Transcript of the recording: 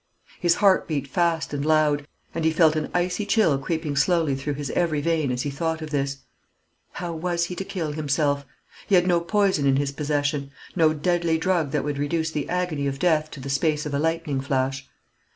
His heart beat fast and loud, and he felt an icy chill creeping slowly through his every vein as he thought of this. How was he to kill himself? He had no poison in his possession, no deadly drug that would reduce the agony of death to the space of a lightning flash.